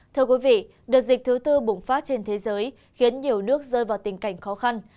thưa quý vị đợt dịch thứ tư bùng phát trên thế giới khiến nhiều nước rơi vào tình cảnh khó khăn